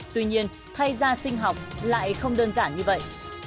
tuy nhiên thay da sinh học lại không đơn giản như vậy